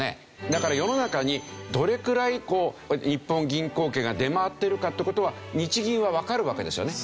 だから世の中にどれくらい日本銀行券が出回っているかって事は日銀はわかるわけですよね。